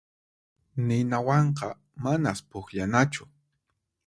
Ninawanqa manas pukllanachu.